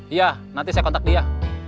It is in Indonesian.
iya nanti saya kontak dia